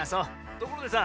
ところでさ